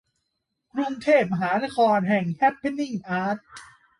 กรุงเทพ มหานครแห่งแฮปเพนนิ่งอาร์ต